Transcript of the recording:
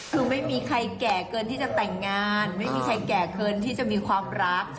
คือไม่มีใครแก่เกินที่จะแต่งงานไม่มีใครแก่เกินที่จะมีความรัก